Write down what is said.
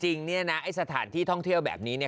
จริงเนี่ยนะไอ้สถานที่ท่องเที่ยวแบบนี้เนี่ย